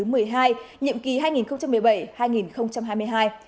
nhiệm kỳ hai nghìn một mươi bảy hai nghìn hai mươi hai